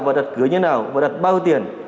và đặt cửa như thế nào và đặt bao tiền